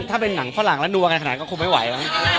ถ้าเป็นหนังฝรั่งแล้วดูอะไรขนาดนั้นก็คงไม่ไหว